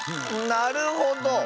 なるほど。